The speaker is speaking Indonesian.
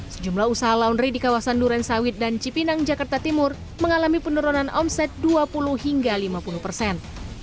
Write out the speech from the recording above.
sejumlah usaha laundry di kawasan duren sawit dan cipinang jakarta timur mengalami penurunan omset dua puluh hingga lima puluh persen